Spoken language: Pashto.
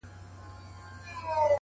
زه ورته ټوله شپه قرآن لولم قرآن ورښيم!